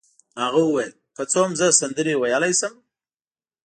هغه وویل: که څه هم زه سندرې ویلای شم.